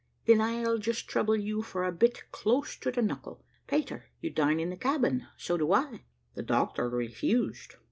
"Then I'll just trouble you for a bit close to the knuckle. Peter, you dine in the cabin, so do I the doctor refused."